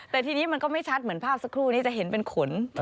แต่ทีนี้มันก็ไม่ชัดเหมือนภาพสักครู่นี้จะเห็นเป็นขน